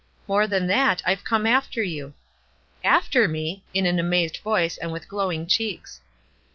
" More than that. I've come after you." " After me !" in an amazed voice and with glowing cheeks.